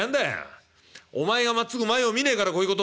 お前がまっつぐ前を見ねえからこういうことになるんだよ。